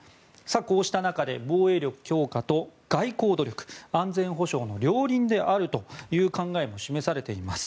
こうした中で防衛力強化と外交努力安全保障の両輪であるという考えも示されています。